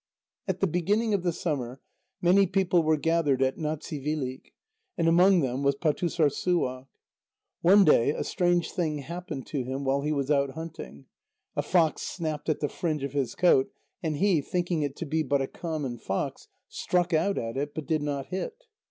At the beginning of the summer, many people were gathered at Natsivilik, and among them was Pâtussorssuaq. One day a strange thing happened to him, while he was out hunting: a fox snapped at the fringe of his coat, and he, thinking it to be but a common fox, struck out at it, but did not hit.